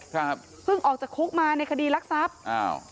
ครับเพิ่งออกจากคุกมาในคดีรักทรัพย์อ้าว